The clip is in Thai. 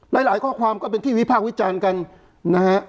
หลายหลายข้อความก็เป็นที่วิพากษ์วิจารณ์กันนะฮะ